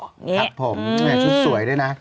นี่อืมชุดสวยด้วยนะ